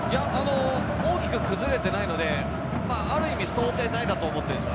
大きく崩れていないので、ある意味、想定内だと思っています。